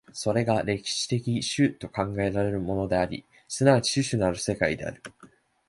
それが歴史的種と考えられるものであり、即ち種々なる社会である。